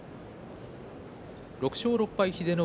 ６勝６敗英乃海